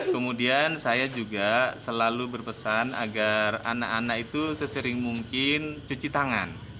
kemudian saya juga selalu berpesan agar anak anak itu sesering mungkin cuci tangan